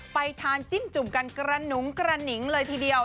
ไปทานจิ้มจุ่มกันกระหนุงกระหนิงเลยทีเดียว